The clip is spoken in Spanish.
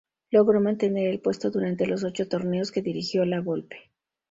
Logró mantener el puesto durante los ocho torneos que dirigió La Volpe.